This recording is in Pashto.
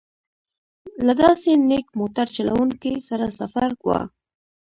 له داسې نېک موټر چلوونکي سره سفر و.